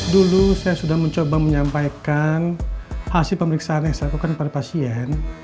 dulu saya sudah mencoba menyampaikan hasil pemeriksaan yang saya lakukan kepada pasien